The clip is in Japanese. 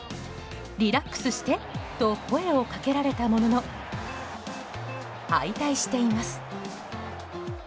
リラックスしてと声をかけられたものの敗退しています。